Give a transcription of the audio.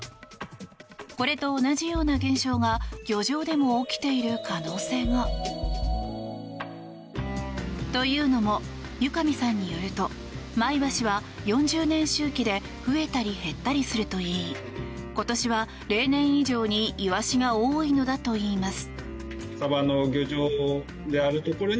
これと同じような現象が漁場でも起きている可能性が。というのも、由上さんによるとマイワシは４０年周期で増えたり減ったりするといい今年は例年以上にイワシが多いのだといいます。